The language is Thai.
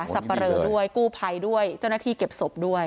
สับปะเรอด้วยกู้ภัยด้วยเจ้าหน้าที่เก็บศพด้วย